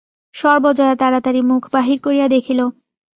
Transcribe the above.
সর্বজয়া তাড়াতাড়ি মুখ বাহির করিয়া দেখিল।